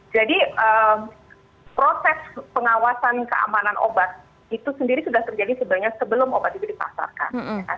jadi proses pengawasan keamanan obat itu sendiri sudah terjadi sebenarnya sebelum obat itu dipasarkan